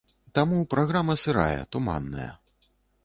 Таму праграма сырая, туманная.